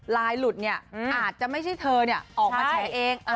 ไลน์หลุดเนี่ยอาจจะไม่ใช่เธอเนี่ยออกมาแชร์เอง